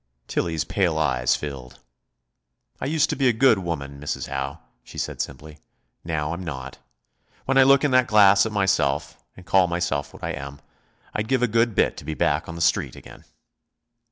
Tillie's pale eyes filled. "I used to be a good woman, Mrs. Howe," she said simply. "Now I'm not. When I look in that glass at myself, and call myself what I am, I'd give a good bit to be back on the Street again."